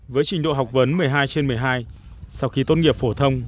với trình độ học vấn một mươi hai trên một mươi hai sau khi tốt nghiệp phổ thông